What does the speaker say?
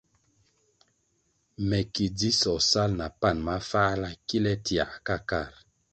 Me ki dzisoh sal na pan mafáhla kile tiãh ka kar.